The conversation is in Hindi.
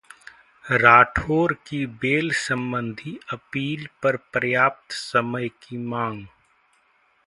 राठौर की बेल संबंधी अपील पर पर्याप्त समय की मांग